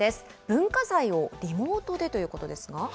文化財をリモートでということですが。